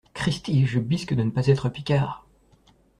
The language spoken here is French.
Cristi ! je bisque de ne pas être Picard !